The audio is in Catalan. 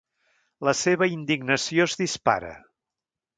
La seva indignació es dispara.